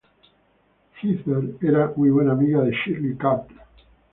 Heather era muy buena amiga de Shirley Carter.